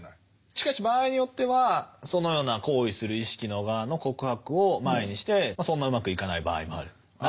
しかし場合によってはそのような行為する意識の側の告白を前にしてそんなうまくいかない場合もある。